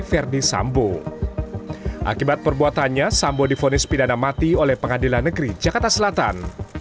ferdis sambu akibat perbuatannya sambu difonis pidana mati oleh seorang pembunuhan yang berbeda dengan kepolisian yang terkenal di indonesia